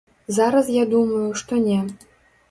Зараз я думаю, што не.